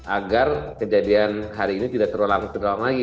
agar kejadian hari ini tidak terulang terulang lagi